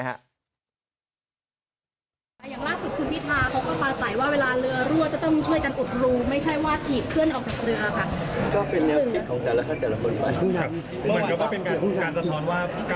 อย่างล่าสุดคุณพี่ทาพบกับตาใส่ว่า